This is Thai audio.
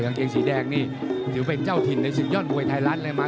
กางเกงสีแดงนี่ถือเป็นเจ้าถิ่นในศึกยอดมวยไทยรัฐเลยมา